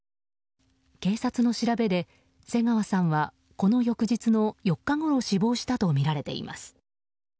警察の調べで瀬川さんはこの翌日の４日ごろ死亡したとみられています。